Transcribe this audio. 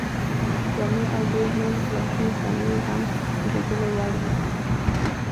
جامې او ډېر نور لاسي صنایع یې هم د لیدلو وړ وو.